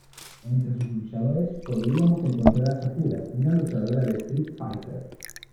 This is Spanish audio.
Entre sus luchadores, podíamos encontrar a Sakura, una luchadora de Street Fighter.